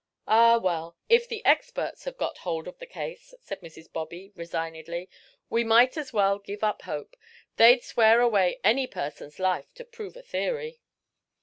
"Ah, well, if the experts have got hold of the case," said Mrs. Bobby, resignedly, "we might as well give up hope. They'd swear away any person's life to prove a theory."